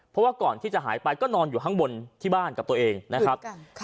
เพราะว่าก่อนที่จะหายไปก็นอนอยู่ข้างบนที่บ้านกับตัวเองนะครับ